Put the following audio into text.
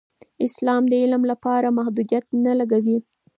اسلام د علم لپاره محدودیت نه لګوي.